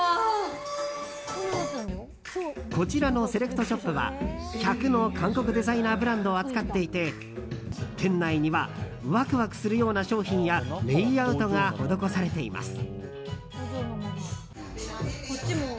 こちらのセレクトショップは１００の韓国デザイナーブランドを扱っていて店内には、ワクワクするような商品やレイアウトが施されています。